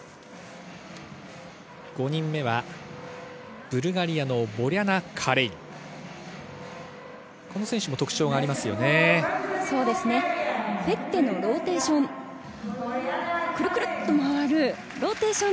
５人目は、ブルガリアのボリャナ・カレイン。